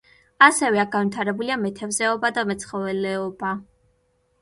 ასევე აქ განვითარებულია მეთევზეობა და მეცხოველეობა.